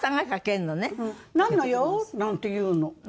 「なんの用？」なんて言うの。